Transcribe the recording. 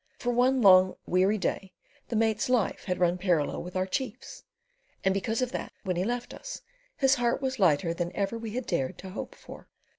For one long weary day the mate's life had run parallel with our chief's, and because of that, when he left us his heart was lighter than ever we had dared to hope for.